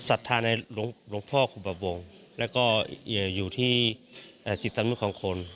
สัตว์ธารในหลวงพ่อคุปบับวงและก็อยู่ที่จิตรรมิตของคน